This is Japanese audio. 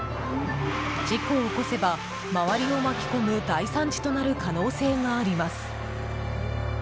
事故を起こせば周りを巻き込む大惨事となる可能性があります。